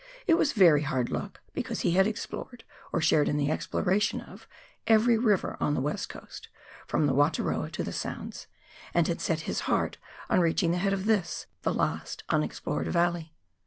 It was very hard luck, because he had explored — or shared in the exploration of — every river on the "West Coast, from the Wataroa to the Sounds, and had set his heart on reaching the head of this, the last unexplored valley.